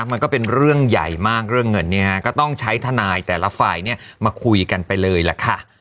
มันก็เป็นเรื่องใหญ่มากเรื่องเงินเนี่ยฮะก็ต้องใช้ทนายแต่ละฝ่ายเนี่ยมาคุยกันไปเลยล่ะค่ะ